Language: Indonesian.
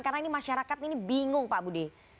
karena ini masyarakat ini bingung pak budi